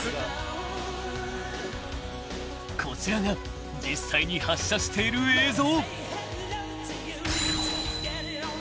［こちらが実際に発射している映像］